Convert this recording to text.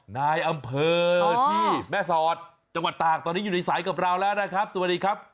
นายอำเภอที่แม่สอดจังหวัดตากตอนนี้อยู่ในสายกับเราแล้วนะครับสวัสดีครับ